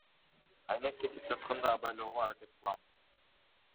Айнек кесип жатканда абайлоого аракет кылам.